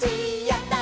「やった！